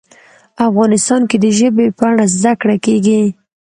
افغانستان کې د ژبې په اړه زده کړه کېږي.